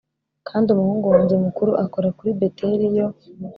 kandi umuhungu wanjye mukuru akora kuri Beteliyo